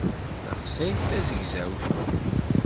Taxsayt d tazegzawt.